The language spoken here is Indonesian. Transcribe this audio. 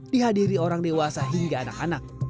dihadiri orang dewasa hingga anak anak